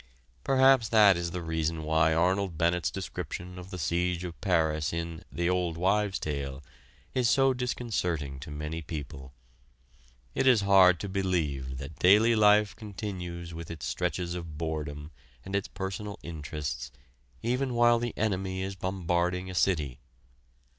Perhaps that is the reason why Arnold Bennett's description of the siege of Paris in "The Old Wives' Tale" is so disconcerting to many people. It is hard to believe that daily life continues with its stretches of boredom and its personal interests even while the enemy is bombarding a city.